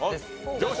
よし！